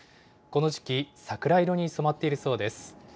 この時期、桜色に染まっているそうです。